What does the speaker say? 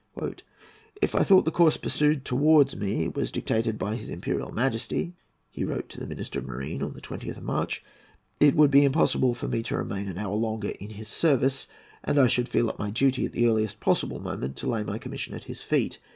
"If I thought that the course pursued towards me was dictated by his Imperial Majesty," he wrote to the Minister of Marine on the 20th of March, "it would be impossible for me to remain an hour longer in his service, and I should feel it my duty, at the earliest possible moment, to lay my commission at his feet.